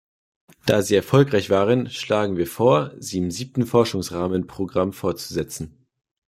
Da sie erfolgreich waren, schlagen wir vor, sie im Siebten Forschungsrahmenprogramm fortzusetzen.